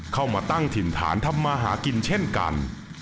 เข้ามาตั้งถิ่นฐานทำมาหากินเช่นกัน